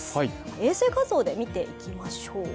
衛星画像で見ていきましょう。